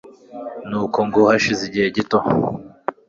nuko ngo hashire igihe gito